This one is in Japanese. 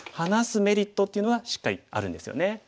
メリットっていうのはしっかりあるんですよね。